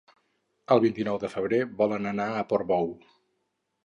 El vint-i-nou de febrer volen anar a Portbou.